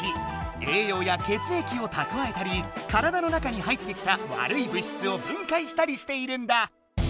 栄養や血液をたくわえたり体の中に入ってきた悪い物質を分解したりしているんだ。